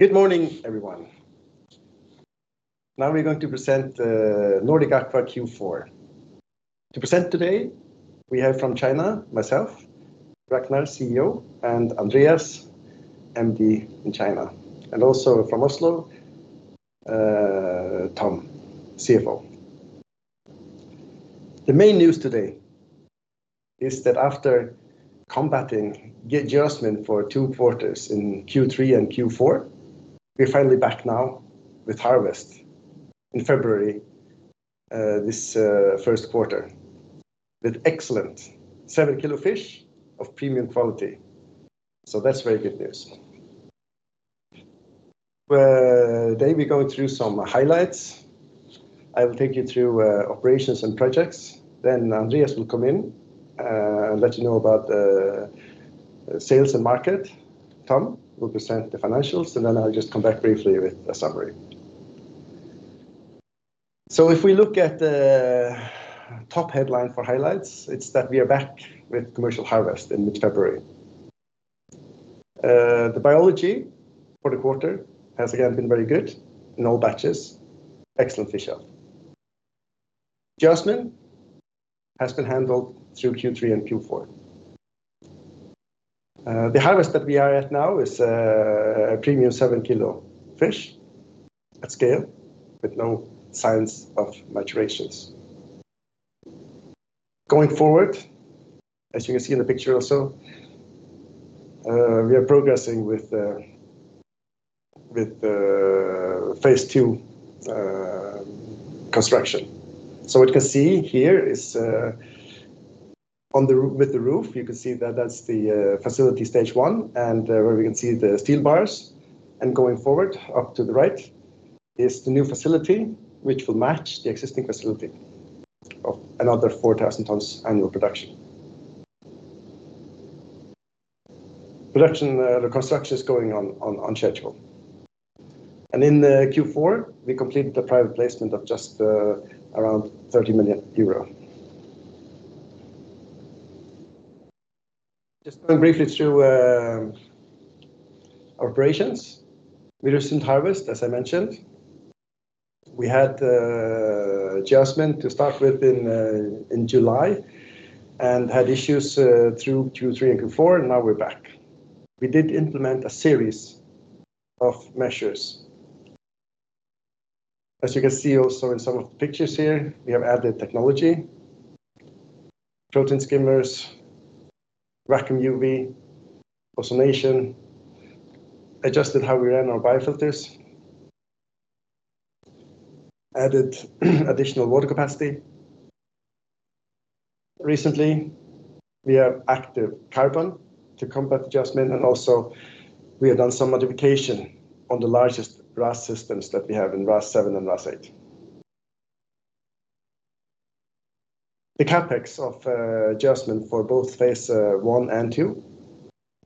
Good morning, everyone. Now we're going to present the Nordic Aqua Q4. To present today, we have from China, myself, Ragnar, CEO, and Andreas, MD in China, and also from Oslo, Tom, CFO. The main news today is that after combating geosmin for two quarters in Q3 and Q4, we're finally back now with harvest in February this first quarter with excellent 7 kg fish of premium quality. That is very good news. Today we're going through some highlights. I will take you through operations and projects. Andreas will come in and let you know about sales and market. Tom will present the financials, and I will just come back briefly with a summary. If we look at the top headline for highlights, it is that we are back with commercial harvest in mid-February. The biology for the quarter has again been very good in all batches. Excellent fish out. Geosmin has been handled through Q3 and Q4. The harvest that we are at now is a premium 7-kilo fish at scale with no signs of maturation. Going forward, as you can see in the picture also, we are progressing with Phase 2 construction. What you can see here is on the roof, you can see that that's the facility Stage 1 and where we can see the steel bars. Going forward up to the right is the new facility, which will match the existing facility of another 4,000 tons annual production. Production construction is going on schedule. In Q4, we completed the private placement of just around 30 million euro. Just going briefly through operations, we recently harvested, as I mentioned. We had geosmin to start with in July and had issues through Q3 and Q4, and now we're back. We did implement a series of measures. As you can see also in some of the pictures here, we have added technology, protein skimmers, vacuum UV, ozonation, adjusted how we ran our biofilters, added additional water capacity. Recently, we have activated carbon to combat geosmin, and also we have done some modification on the largest RAS systems that we have in RAS 7 and RAS 8. The CapEx of geosmin for both Phase 1 and Phase 2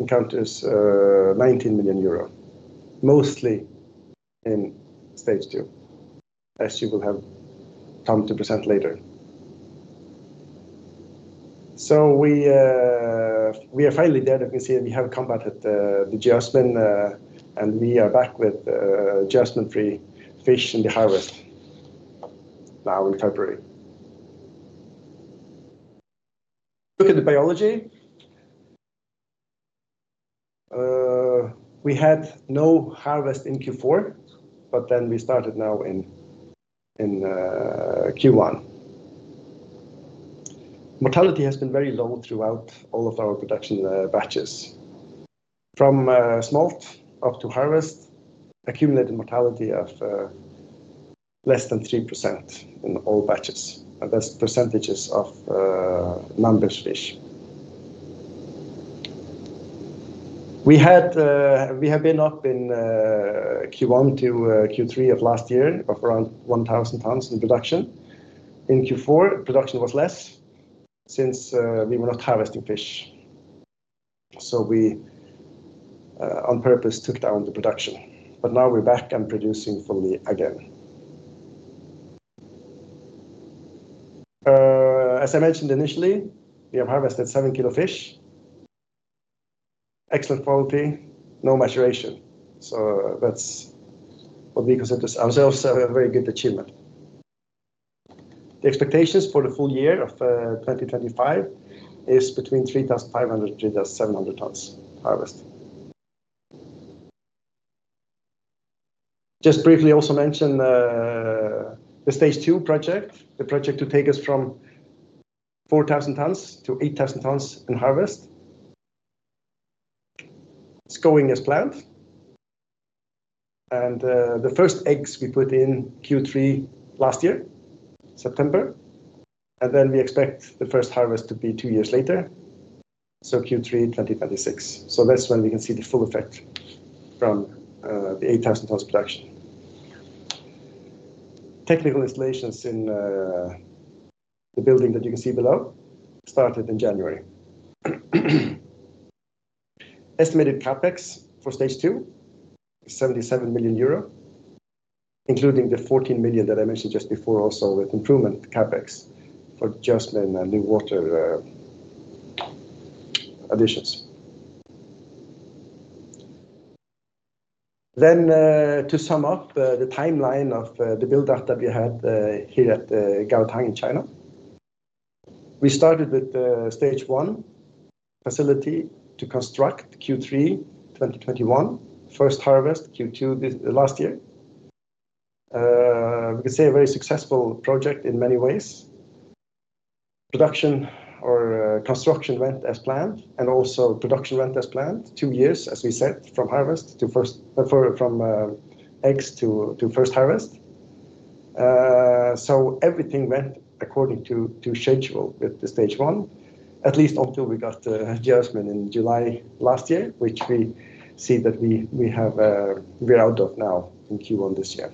encounters 19 million euro, mostly in Stage 2, as you will have time to present later. We are finally there. As you can see, we have combated the geosmin, and we are back with geosmin-free fish in the harvest now in February. Look at the biology. We had no harvest in Q4, but then we started now in Q1. Mortality has been very low throughout all of our production batches. From smolt up to harvest, accumulated mortality of less than 3% in all batches. That is percentages of numbers of fish. We have been up in Q1 to Q3 of last year of around 1,000 tons in production. In Q4, production was less since we were not harvesting fish. We, on purpose, took down the production. Now we are back and producing fully again. As I mentioned initially, we have harvested 7-kilo fish, excellent quality, no maturation. That is what we consider ourselves a very good achievement. The expectations for the full year of 2025 is between 3,500-3,700 tons harvest. Just briefly also mention the Stage 2 project, the project to take us from 4,000 tons to 8,000 tons in harvest. It is going as planned. The first eggs we put in Q3 last year, September, and we expect the first harvest to be two years later, so Q3 2026. That is when we can see the full effect from the 8,000 tons production. Technical installations in the building that you can see below started in January. Estimated CapEx for Stage 2 is 77 million euro, including the 14 million that I mentioned just before, also with improvement CapEx for geosmin and new water additions. To sum up the timeline of the build-up that we had here at Gaotang in China, we started with Stage 1 facility to construct Q3 2021, first harvest Q2 last year. We can say a very successful project in many ways. Production or construction went as planned, and also production went as planned, two years, as we said, from eggs to first harvest. Everything went according to schedule with the Stage 1, at least until we got geosmin in July last year, which we see that we are out of now in Q1 this year.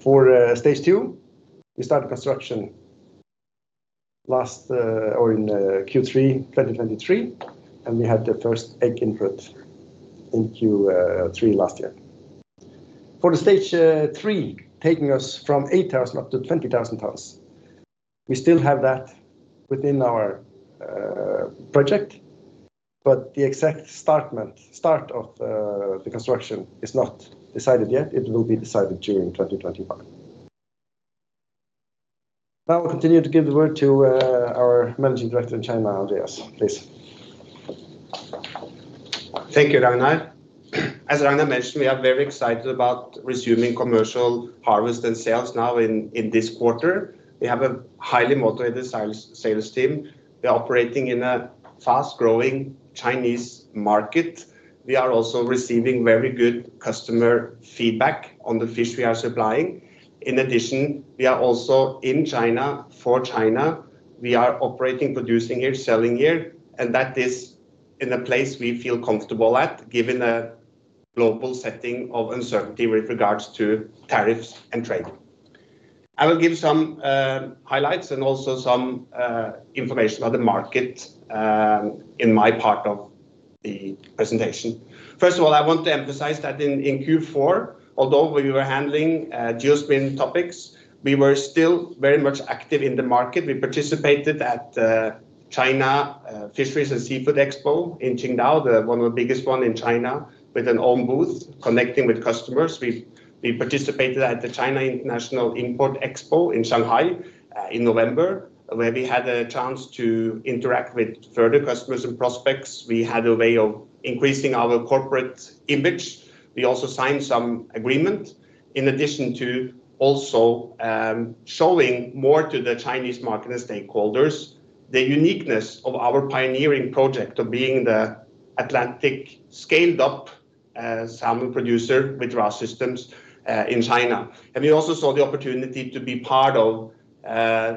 For Stage 2, we started construction in Q3 2023, and we had the first egg input in Q3 last year. For Stage 3, taking us from 8,000 up to 20,000 tons, we still have that within our project, but the exact start of the construction is not decided yet. It will be decided during 2025. Now I will continue to give the word to our Managing Director in China, Andreas, please. Thank you, Ragnar. As Ragnar mentioned, we are very excited about resuming commercial harvest and sales now in this quarter. We have a highly motivated sales team. We are operating in a fast-growing Chinese market. We are also receiving very good customer feedback on the fish we are supplying. In addition, we are also in China for China. We are operating, producing here, selling here, and that is in a place we feel comfortable at, given the global setting of uncertainty with regards to tariffs and trade. I will give some highlights and also some information about the market in my part of the presentation. First of all, I want to emphasize that in Q4, although we were handling geosmin topics, we were still very much active in the market. We participated at China Fisheries and Seafood Expo in Qingdao, one of the biggest ones in China, with an own booth connecting with customers. We participated at the China International Import Expo in Shanghai in November, where we had a chance to interact with further customers and prospects. We had a way of increasing our corporate image. We also signed some agreements, in addition to also showing more to the Chinese market and stakeholders the uniqueness of our pioneering project of being the Atlantic scaled-up salmon producer with RAS systems in China. We also saw the opportunity to be part of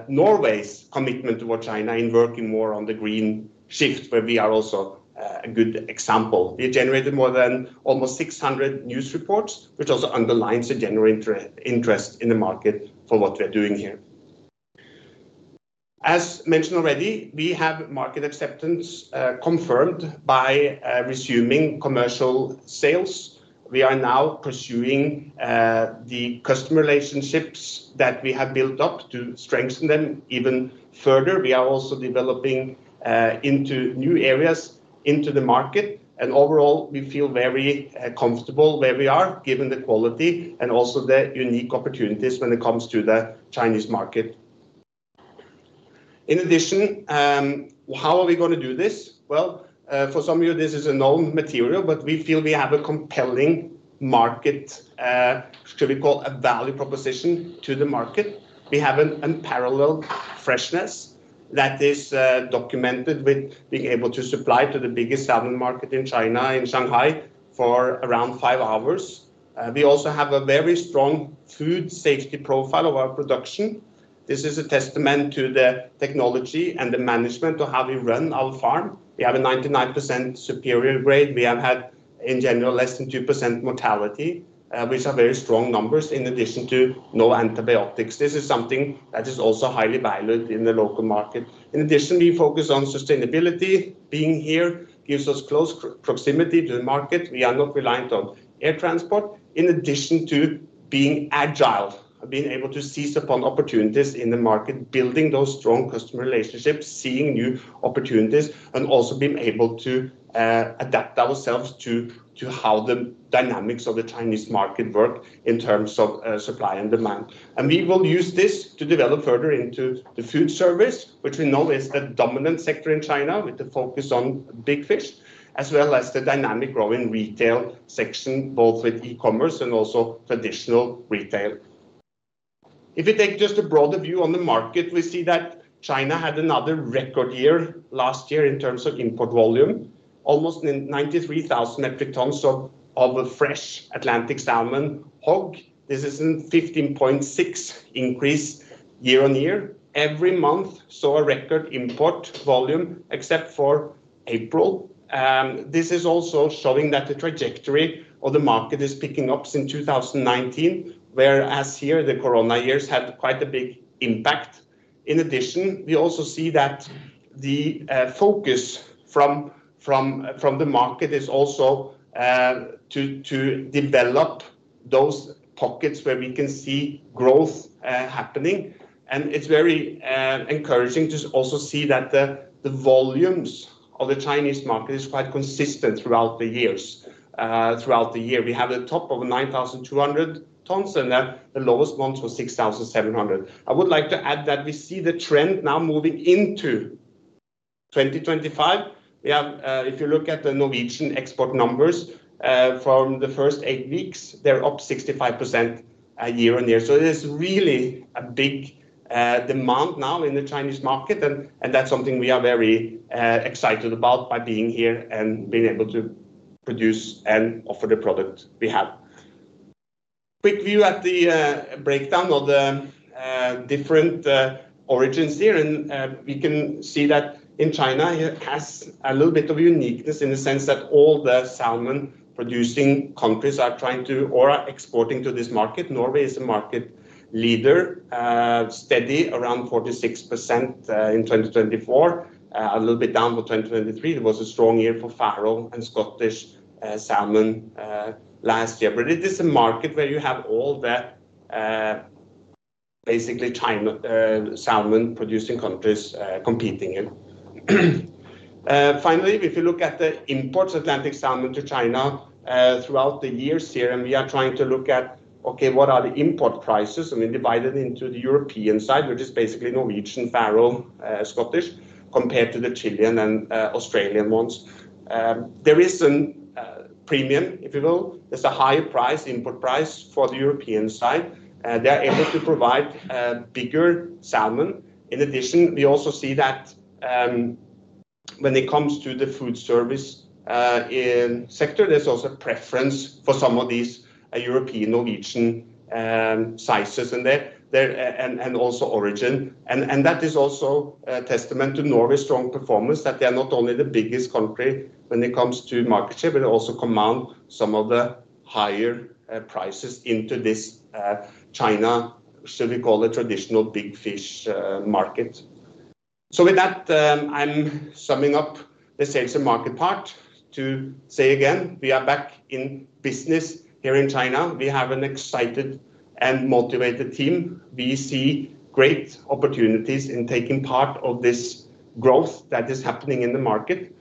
Norway's commitment towards China in working more on the green shift, where we are also a good example. We generated more than almost 600 news reports, which also underlines the general interest in the market for what we are doing here. As mentioned already, we have market acceptance confirmed by resuming commercial sales. We are now pursuing the customer relationships that we have built up to strengthen them even further. We are also developing into new areas into the market. Overall, we feel very comfortable where we are, given the quality and also the unique opportunities when it comes to the Chinese market. In addition, how are we going to do this? For some of you, this is a known material, but we feel we have a compelling market, should we call it a value proposition to the market. We have an unparalleled freshness that is documented with being able to supply to the biggest salmon market in China in Shanghai for around five hours. We also have a very strong food safety profile of our production. This is a testament to the technology and the management of how we run our farm. We have a 99% superior grade. We have had, in general, less than 2% mortality, which are very strong numbers in addition to no antibiotics. This is something that is also highly valued in the local market. In addition, we focus on sustainability. Being here gives us close proximity to the market. We are not reliant on air transport, in addition to being agile, being able to seize upon opportunities in the market, building those strong customer relationships, seeing new opportunities, and also being able to adapt ourselves to how the dynamics of the Chinese market work in terms of supply and demand. We will use this to develop further into the food service, which we know is the dominant sector in China with the focus on big fish, as well as the dynamic growing retail section, both with e-commerce and also traditional retail. If we take just a broader view on the market, we see that China had another record year last year in terms of import volume, almost 93,000 metric tons of fresh Atlantic salmon HOG. This is a 15.6% increase year on year. Every month saw a record import volume, except for April. This is also showing that the trajectory of the market is picking up since 2019, whereas here the Corona years had quite a big impact. In addition, we also see that the focus from the market is also to develop those pockets where we can see growth happening. It is very encouraging to also see that the volumes of the Chinese market are quite consistent throughout the year. Throughout the year, we have a top of 9,200 tons, and the lowest months were 6,700. I would like to add that we see the trend now moving into 2025. If you look at the Norwegian export numbers from the first eight weeks, they are up 65% year on year. There is really a big demand now in the Chinese market, and that is something we are very excited about by being here and being able to produce and offer the product we have. Quick view at the breakdown of the different origins here, and we can see that China has a little bit of uniqueness in the sense that all the salmon-producing countries are trying to or are exporting to this market. Norway is a market leader, steady around 46% in 2024, a little bit down for 2023. It was a strong year for Faroe and Scottish salmon last year. It is a market where you have all the basically salmon-producing countries competing here. Finally, if you look at the imports of Atlantic salmon to China throughout the years here, and we are trying to look at, okay, what are the import prices, and we divide it into the European side, which is basically Norwegian, Faroe, Scottish, compared to the Chilean and Australian ones. There is a premium, if you will. There is a higher price, import price for the European side. They are able to provide bigger salmon. In addition, we also see that when it comes to the food service sector, there is also a preference for some of these European Norwegian sizes and also origin. That is also a testament to Norway's strong performance, that they are not only the biggest country when it comes to market share, but also command some of the higher prices into this China, should we call it traditional big fish market. With that, I'm summing up the sales and market part to say again, we are back in business here in China. We have an excited and motivated team. We see great opportunities in taking part of this growth that is happening in the market.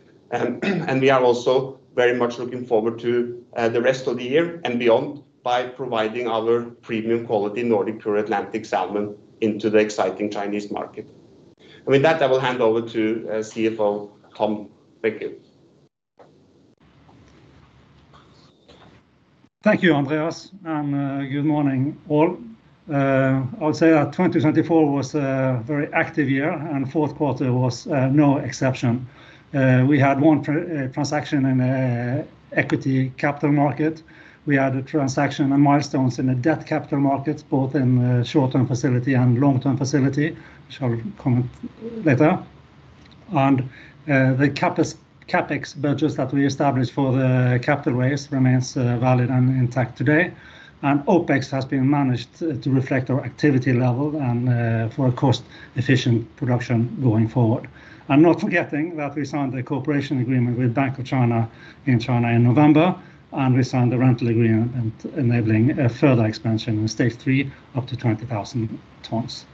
We are also very much looking forward to the rest of the year and beyond by providing our premium quality Nordic Pure Atlantic Salmon into the exciting Chinese market. With that, I will hand over to CFO Tom. Thank you. Thank you, Andreas, and good morning, all. I would say that 2024 was a very active year, and the fourth quarter was no exception. We had one transaction in the equity capital market. We had a transaction and milestones in the debt capital markets, both in the short-term facility and long-term facility, which I'll comment on later. The CapEx budgets that we established for the capital raise remain valid and intact today. OpEx has been managed to reflect our activity level and for a cost-efficient production going forward. Not forgetting that we signed a cooperation agreement with Bank of China in China in November, and we signed a rental agreement enabling further expansion in Stage 3 up to 20,000 tons.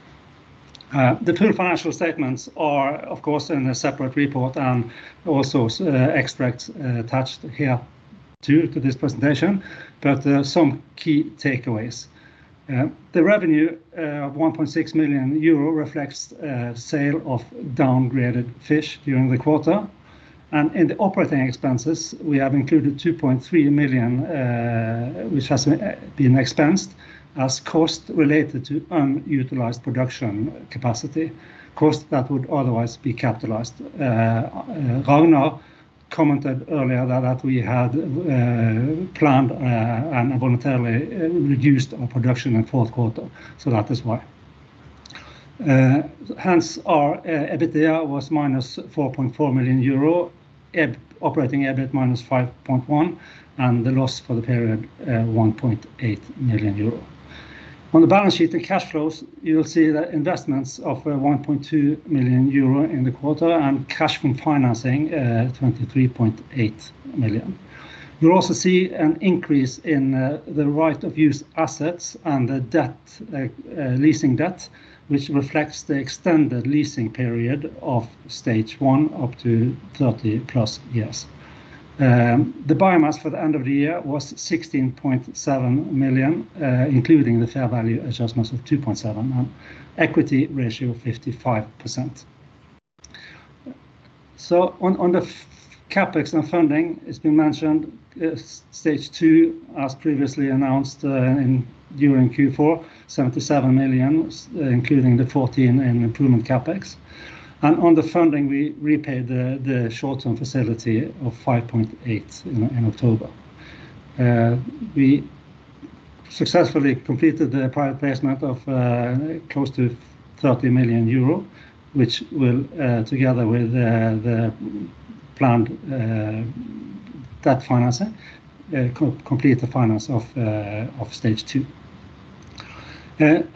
The full financial statements are, of course, in a separate report and also extracts attached here to this presentation, but some key takeaways. The revenue of 1.6 million euro reflects sale of downgraded fish during the quarter. In the operating expenses, we have included 2.3 million, which has been expensed as cost related to unutilized production capacity, cost that would otherwise be capitalized. Ragnar commented earlier that we had planned and voluntarily reduced our production in the fourth quarter, so that is why. Hence, our EBITDA was -4.4 million euro, operating EBIT -5.1 million, and the loss for the period 1.8 million euro. On the balance sheet and cash flows, you'll see the investments of 1.2 million euro in the quarter and cash from financing 23.8 million. You'll also see an increase in the right-of-use assets and the leasing debt, which reflects the extended leasing period of Stage 1 up to 30-plus years. The biomass for the end of the year was 1,670 tons, including the fair value adjustment of 2.7 million and equity ratio of 55%. On the CapEx and funding, it's been mentioned Stage 2, as previously announced during Q4, 77 million, including the 14 million in improvement CapEx. On the funding, we repaid the short-term facility of 5.8 million in October. We successfully completed the private placement of close to 30 million euro, which will, together with the planned debt financing, complete the finance of Stage 2.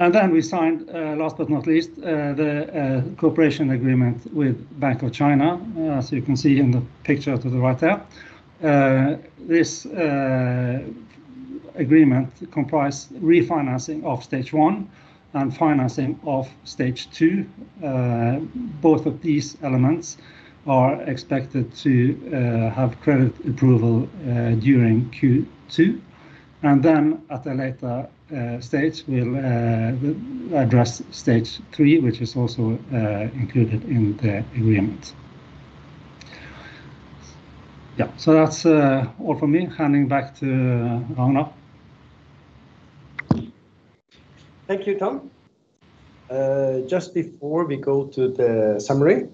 Last but not least, we signed the cooperation agreement with Bank of China, as you can see in the picture to the right there. This agreement comprised refinancing of Stage 2 and financing of Stage 2. Both of these elements are expected to have credit approval during Q2. At a later stage, we'll address Stage 3, which is also included in the agreement. Yeah, so that's all from me. Handing back to Ragnar. Thank you, Tom. Just before we go to the summary,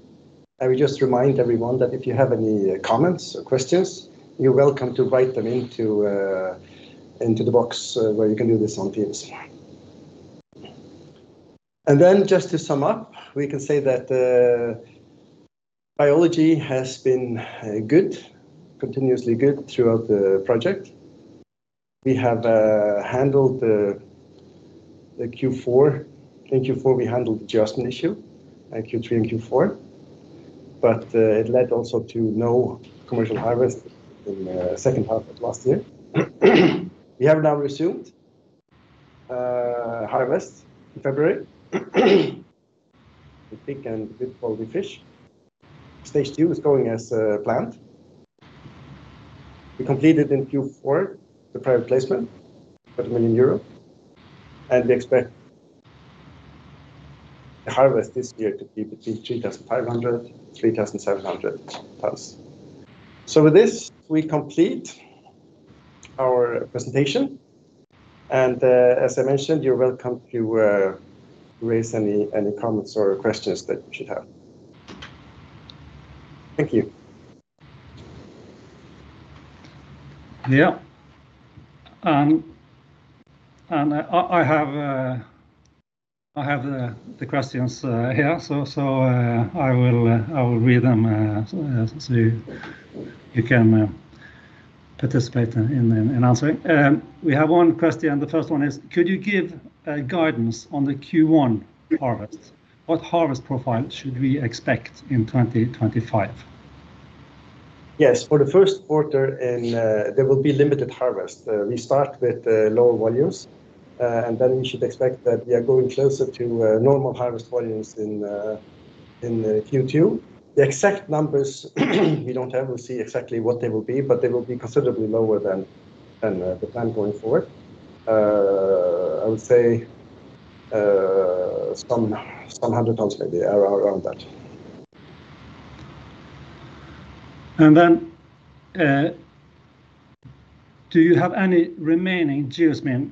I would just remind everyone that if you have any comments or questions, you're welcome to write them into the box where you can do this on Teams. Just to sum up, we can say that biology has been good, continuously good throughout the project. We have handled the Q4. In Q4, we handled geosmin issue, Q3 and Q4, but it led also to no commercial harvest in the second half of last year. We have now resumed harvest in February, with big and good quality fish. Stage 2 is going as planned. We completed in Q4 the private placement, 30 million euros, and we expect the harvest this year to be between 3,500 and 3,700 tons. With this, we complete our presentation. As I mentioned, you're welcome to raise any comments or questions that you should have. Thank you. Yeah. I have the questions here, so I will read them so you can participate in answering. We have one question. The first one is, could you give guidance on the Q1 harvest? What harvest profile should we expect in 2025? Yes. For the first quarter, there will be limited harvest. We start with low volumes, and then we should expect that we are going closer to normal harvest volumes in Q2. The exact numbers we do not have, we will see exactly what they will be, but they will be considerably lower than the plan going forward. I would say some hundred tons, maybe around that. Do you have any remaining geosmin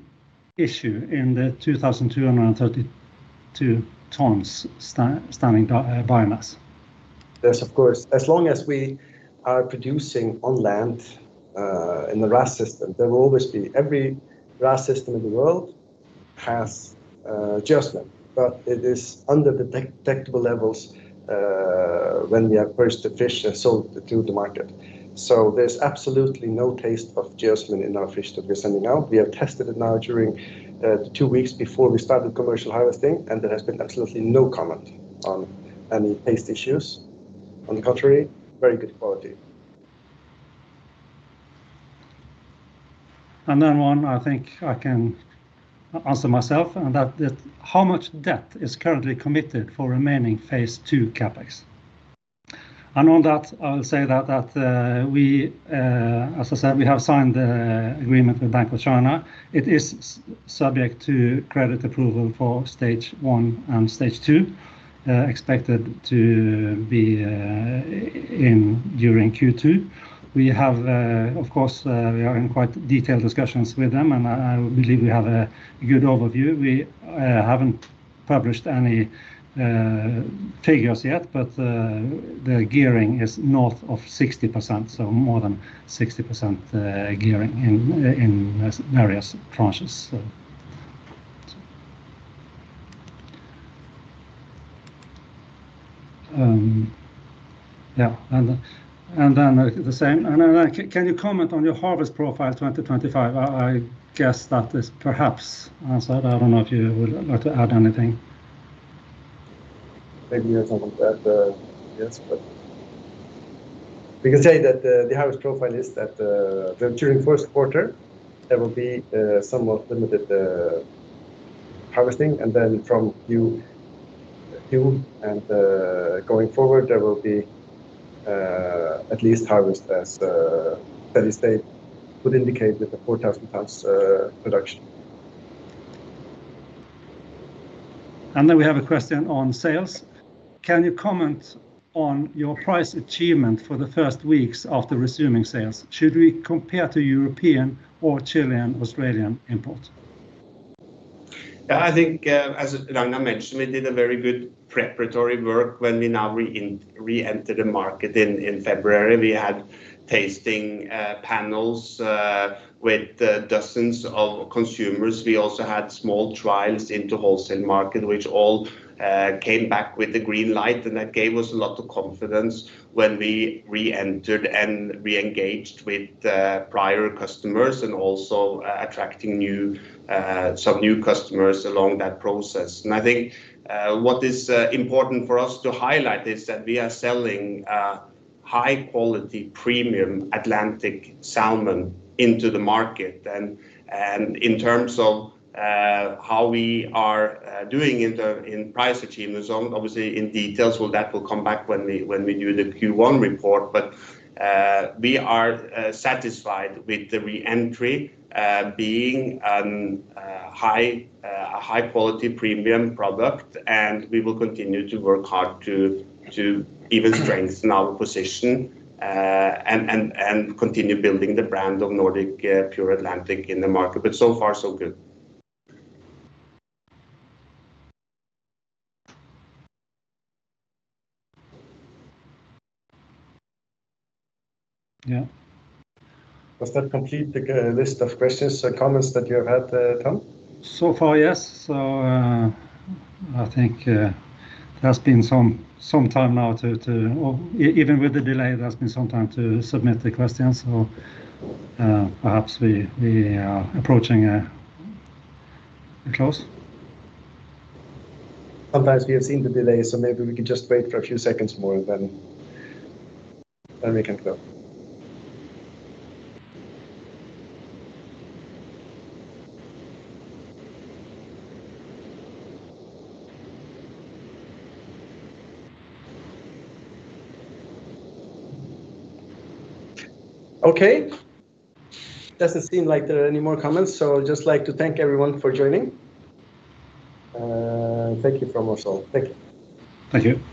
issue in the 2,232 tons standing biomass? Yes, of course. As long as we are producing on land in the RAS system, there will always be. Every RAS system in the world has geosmin, but it is under the detectable levels when we have purchased the fish and sold it to the market. There is absolutely no taste of geosmin in our fish that we are sending out. We have tested it now during the two weeks before we started commercial harvesting, and there has been absolutely no comment on any taste issues. On the contrary, very good quality. One, I think I can answer myself, and that is how much debt is currently committed for remaining Phase 2 CapEx? On that, I will say that we, as I said, have signed the agreement with Bank of China. It is subject to credit approval for Stage 1 and Stage 2 , expected to be in during Q2. We are in quite detailed discussions with them, and I believe we have a good overview. We have not published any figures yet, but the gearing is north of 60%, so more than 60% gearing in various tranches. Yeah. The same. Can you comment on your harvest profile 2025? I guess that is perhaps answered. I do not know if you would like to add anything. Maybe I can add, yes, but we can say that the harvest profile is that during the first quarter, there will be somewhat limited harvesting. From Q2 and going forward, there will be at least harvest as steady state would indicate with the 4,000 tons production. We have a question on sales. Can you comment on your price achievement for the first weeks after resuming sales? Should we compare to European or Chilean-Australian import? Yeah, I think, as Ragnar mentioned, we did a very good preparatory work when we now re-entered the market in February. We had tasting panels with dozens of consumers. We also had small trials into the wholesale market, which all came back with the green light, and that gave us a lot of confidence when we re-entered and re-engaged with prior customers and also attracting some new customers along that process. I think what is important for us to highlight is that we are selling high-quality premium Atlantic salmon into the market. In terms of how we are doing in price achievement, obviously in details, that will come back when we do the Q1 report. We are satisfied with the re-entry being a high-quality premium product, and we will continue to work hard to even strengthen our position and continue building the brand of Nordic Pure Atlantic in the market. So far, so good. Yeah. Was that complete, the list of questions or comments that you have had, Tom? Yes. I think there has been some time now to, even with the delay, there has been some time to submit the questions. Perhaps we are approaching a close. Sometimes we have seen the delay, so maybe we could just wait for a few seconds more and then we can go. Okay. Does not seem like there are any more comments, so I would just like to thank everyone for joining. Thank you from us all. Thank you. Thank you.